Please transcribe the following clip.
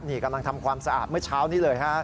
นี่กำลังทำความสะอาดเมื่อเช้านี้เลยฮะ